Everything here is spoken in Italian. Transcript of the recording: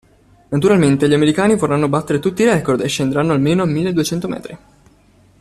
Naturalmente gli americani vorranno battere tutti i record e scendere almeno a milleduecento metri.